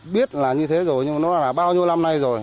biết là như thế rồi nhưng mà nó là bao nhiêu năm nay rồi